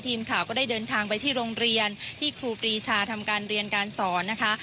ทีมข่าวก็ได้เดินทางไปที่โรงเรียนที่ครูปรีชาทำการเรียนการสอนนะคะ